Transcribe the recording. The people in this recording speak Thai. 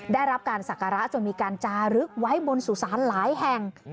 ได้รับการศักระจนมีการจารึกไว้บนสุสานหลายแห่ง